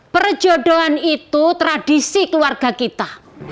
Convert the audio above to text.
perjodohan itu tradisi keluarga kita